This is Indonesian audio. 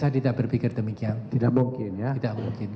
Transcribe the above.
tidak mungkin ya